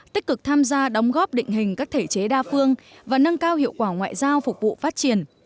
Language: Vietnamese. tích cực tham gia đóng góp định hình các thể chế đa phương và nâng cao hiệu quả ngoại giao phục vụ phát triển